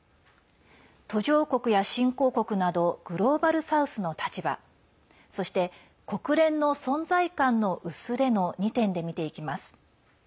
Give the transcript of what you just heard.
途上国や新興国などグローバル・サウスの立場そして、国連の存在感の薄れの２点で見ていきます。